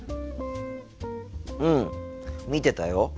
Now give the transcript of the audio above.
うん見てたよ。